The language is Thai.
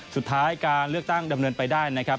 สุดท้ายการเลือกตั้งดำเนินไปได้นะครับ